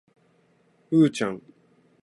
うーちゃん